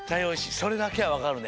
それだけはわかるね。